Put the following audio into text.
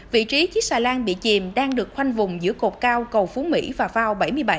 vị trí chiếc xà lan bị chìm đang được khoanh vùng giữa cột cao cầu phú mỹ và phao bảy mươi bảy